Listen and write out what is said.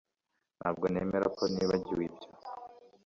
Ntabwo nemera ko nibagiwe ibyo